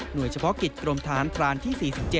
โดยเฉพาะกิจกรมฐานพรานที่๔๗